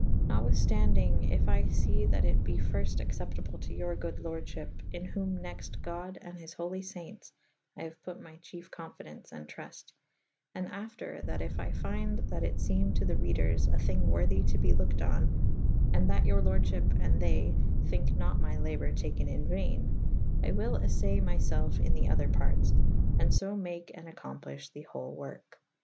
Xatwithf tandynge yf I fe that it be fyrft acceptable to your good lordfhip in whom nexte god and his holy faintes I haue put my chyef confidence and truf t / and after that yf I fvnde that it feme to the reders a thyng worthy to be loked on /and that your lordfhyp and they thynke nat m}' labour take« in vayne : I will affay my felfe in the other partes / and fo make and accowzplyffhe the hole werke.